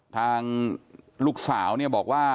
ทางลูกสาวเนี่ยบอกว่า